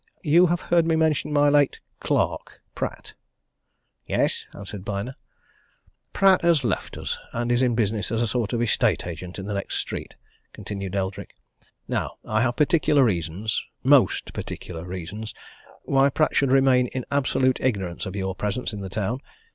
You have heard me mention my late clerk Pratt?" "Yes," answered Byner. "Pratt has left us, and is in business as a sort of estate agent in the next street," continued Eldrick. "Now I have particular reasons most particular reasons! why Pratt should remain in absolute ignorance of your presence in the town.